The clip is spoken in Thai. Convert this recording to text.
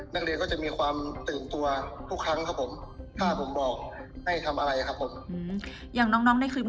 นักเรียนก็จะมีความตื่นตัวทุกครั้งครับผมถ้าผมบอกให้ทำอะไรครับผมอย่างน้องน้อง